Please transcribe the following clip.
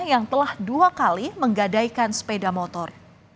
yang telah dua kali menggadaikan sepeda motor